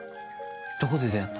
どこで出会った？